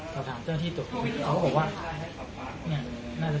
ก็เลยตอบถามเจ้าที่ตรวจสอบเขาก็บอกว่าเนี่ยน่าจะเป็นทอง